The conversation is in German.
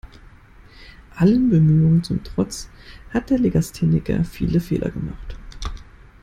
Allen Bemühungen zum Trotz hat der Legastheniker viele Fehler gemacht.